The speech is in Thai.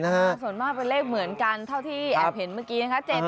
ส่วนมากเป็นเลขเหมือนกันเท่าที่แอบเห็นเมื่อกี้นะคะ